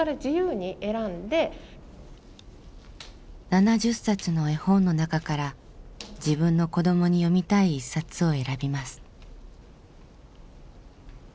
７０冊の絵本の中から自分の子どもに読みたい一冊を選びます。